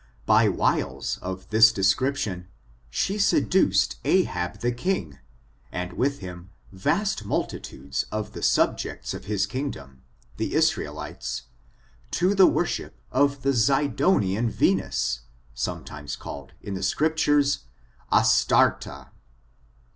By wiles of this description, she seduced Ahab the king, and with him vast multitudes of the subjects of his kingdom, the Israelites, to the worship of the Zidonian Ventut sometimes called, in the Scriptures, Astarta.